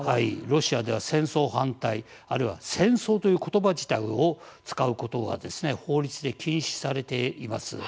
ロシアでは戦争反対あるいは戦争という言葉自体を使うことは法律で禁止されています。